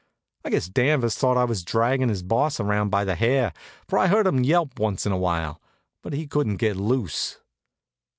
I guess Danvers thought I was draggin' his boss around by the hair; for I heard him yelp once in a while, but he couldn't get loose.